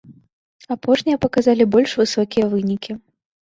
Апошнія паказалі больш высокія вынікі.